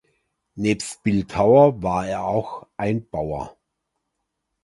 Nebst Bildhauer war er auch ein Bauer.